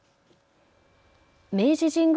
明治神宮